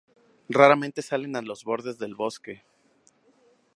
Raramente salen a los bordes del bosque.